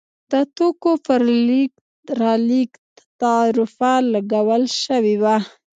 د توکو پر لېږد رالېږد تعرفه لګول شوې وه.